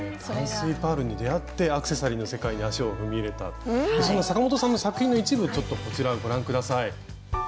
淡水パールに出会ってアクセサリーの世界に足を踏み入れたそんなサカモトさんの作品の一部ちょっとこちらご覧下さい。